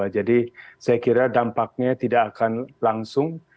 jadi saya kira dampaknya tidak akan langsung